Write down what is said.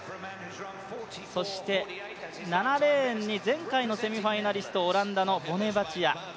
そして７レーンに前回のセミファイナリスト、オランダのボネバチア。